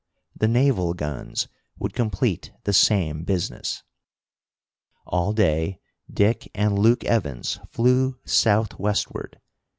The naval guns would complete the same business. All day Dick and Luke Evans flew southwestward.